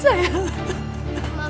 sifah bangun sayang